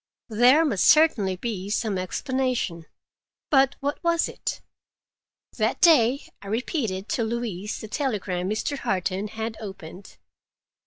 There must certainly be some explanation—but what was it? That day I repeated to Louise the telegram Mr. Warton had opened.